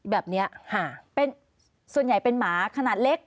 แบบนี้ส่วนใหญ่เป็นหมาขนาดเล็ก